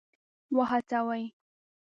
وهڅوي.